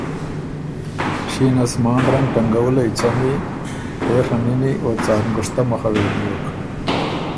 شینه سماندرنګ ټنګَوُلئ څمي، تېڒه نِنی او څار نګشتۀ مُخه وې بیوک۔